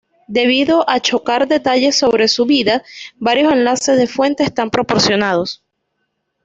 Debido a chocar detalles sobre su vida, varios enlaces de fuente están proporcionados.